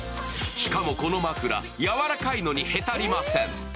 しかもこの枕、やわらかいのにへたりません。